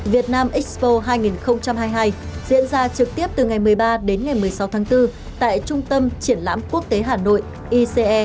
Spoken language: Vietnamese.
việt nam expo hai nghìn hai mươi hai diễn ra trực tiếp từ ngày một mươi ba đến ngày một mươi sáu tháng bốn tại trung tâm triển lãm quốc tế hà nội ice